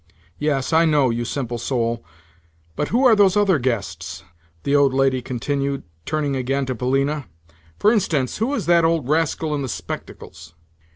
"Yes, I know, you simple soul—But who are those other guests?" the old lady continued, turning again to Polina. "For instance, who is that old rascal in the spectacles?"